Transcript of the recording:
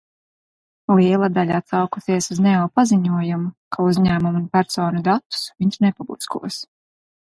Liela daļa atsaukusies uz Neo paziņojumu, ka uzņēmumu un personu datus viņš nepubliskos.